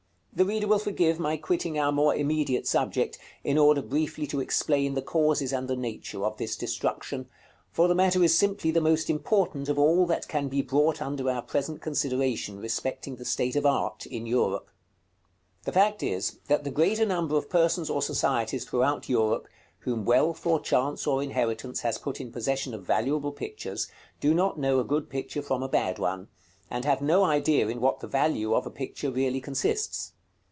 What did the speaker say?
§ CXXXV. The reader will forgive my quitting our more immediate subject, in order briefly to explain the causes and the nature of this destruction; for the matter is simply the most important of all that can be brought under our present consideration respecting the state of art in Europe. The fact is, that the greater number of persons or societies throughout Europe, whom wealth, or chance, or inheritance has put in possession of valuable pictures, do not know a good picture from a bad one, and have no idea in what the value of a picture really consists.